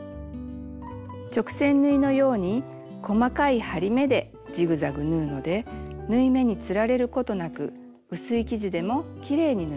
直線縫いのように細かい針目でジグザグ縫うので縫い目につられることなく薄い生地でもきれいに縫えます。